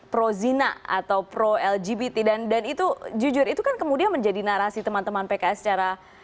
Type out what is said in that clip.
pro zina atau pro lgbt dan itu jujur itu kan kemudian menjadi narasi teman teman pks secara